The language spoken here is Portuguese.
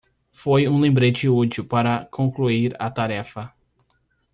Foi um lembrete útil para concluir a tarefa.